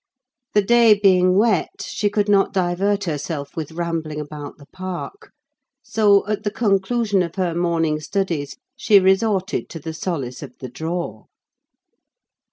The day being wet, she could not divert herself with rambling about the park; so, at the conclusion of her morning studies, she resorted to the solace of the drawer.